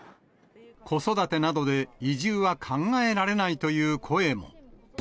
子育てなどで移住は考えられないという声も。